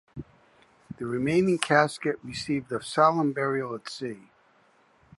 The remaining casket received a solemn burial at sea.